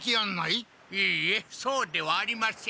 いいえそうではありません。